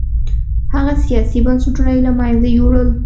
هغه سیاسي بنسټونه یې له منځه یووړل